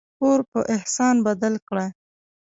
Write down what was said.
پور په احسان بدل کړه.